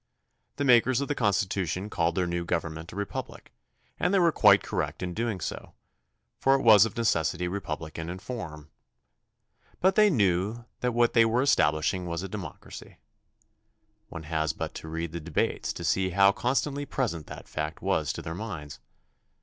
The makers of the Constitution called their new gov ernment a republic and they were quite correct in doing so, for it was of necessity republican in form. But they knew that what they were establishing was a democracy. One has but to read the debates to see how constantly present that fact was to their minds.